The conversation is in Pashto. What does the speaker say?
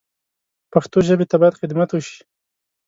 پښتو ژبې ته باید خدمت وشي